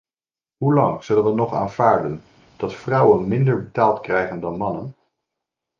Hoe lang zullen we nog aanvaarden dat vrouwen minder betaald krijgen dan mannen?